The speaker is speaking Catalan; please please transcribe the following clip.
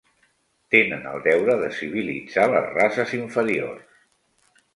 Tenen el deure de civilitzar les races inferiors.